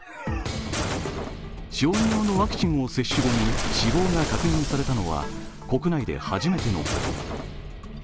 小児用のワクチンを接種後に死亡が確認されたのは国内で初めてのこと。